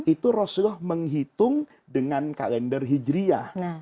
itu rasulullah menghitung dengan kalender hijriah